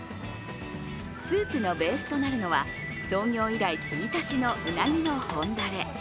スープのベースとなるのは創業以来継ぎ足しのうなぎの本ダレ。